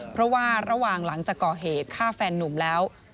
เพราะว่าระหว่างหลังจากก่อเหตุฆ่าแฟนนุ่มแล้ว